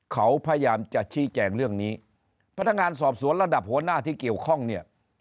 เขาพยายามจะชี้แจงเรื่องนี้พนักงานสอบสวนระดับหัวหน้าที่เกี่ยวข้องเนี่ย